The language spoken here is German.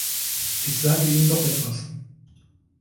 Ich sage Ihnen noch etwas.